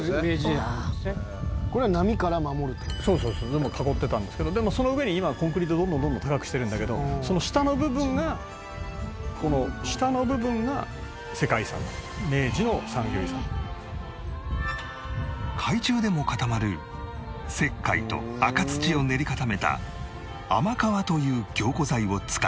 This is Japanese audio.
「全部囲ってたんですけどでもその上に今はコンクリートでどんどんどんどん高くしてるんだけどその下の部分がこの下の部分が世界遺産」「明治の産業遺産」海中でも固まる石灰と赤土を練り固めた天川という凝固剤を使い